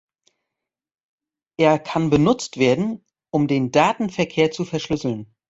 Er kann benutzt werden, um den Datenverkehr zu verschlüsseln.